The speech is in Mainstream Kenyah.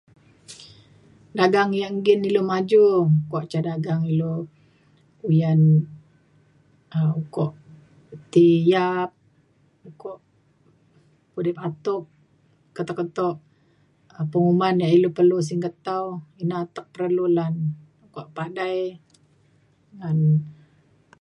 dagang yak nggin ilu maju kuak ca dagang ilu uyan um ukok ti yap ukok pudip atuk keto keto penguman yak ilu perlu singget tau ina atek perlu lan kuak padai ngan